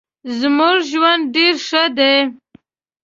زمونږ ژوند ډیر ښه دې